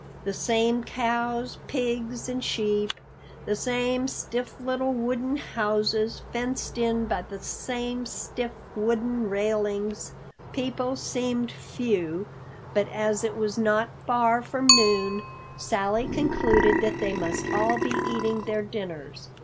The same cows, pigs and sheep, the same stiff little wooden houses, fenced in by the same stiff wooden railings. People seemed few, but as it was not far from noon, Sally concluded that they must all be eating their dinners.